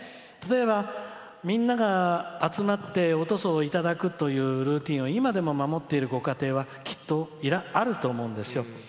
例えば、みんなが集まって、おとそをいただくっていうルーティンを今でも守っているご家庭は今でもきっとあると思うんですよ。